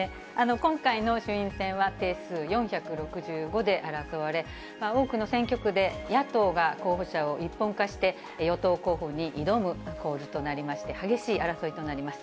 今回の衆院選は定数４６５で争われ、多くの選挙区で野党が候補者を一本化して、与党候補に挑む構図となりまして、激しい争いとなります。